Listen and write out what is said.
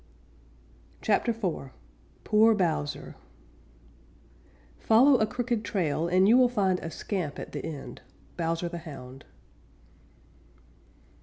CHAPTER IV POOR BOWSER Follow a crooked trail and you will find a scamp at the end. _Bowser the Hound.